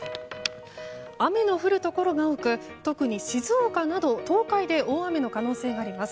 雨の降るところが多く特に静岡など東海で大雨の可能性があります。